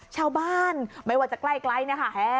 ชาวบ้านไม่ว่าจะใกล้นะคะ